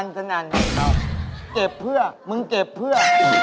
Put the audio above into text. เจ็บเพื่อมึงเจ็บเพื่อ